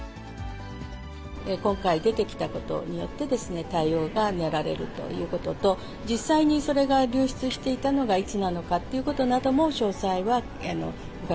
今回出てきたことによって、対応が練られるということと、実際にそれが流出していたのがいつなのかっていうことも詳細は伺